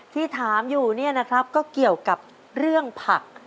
ที่ถามอยู่เนี่ยนะครับก็เกี่ยวกับเรื่องผัก